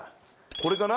これかな？